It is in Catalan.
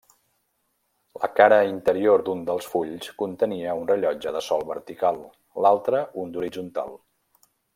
La cara interior d'un dels fulls contenia un rellotge de sol vertical, l'altre un d'horitzontal.